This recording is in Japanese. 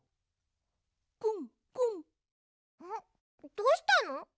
どうしたの？